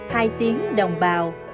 hai tiếng đồng bào